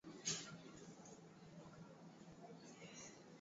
mwandishi wetu kutoka arusha rodely nitateu sindela